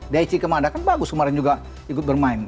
daichi kemada kan bagus kemarin juga ikut bermain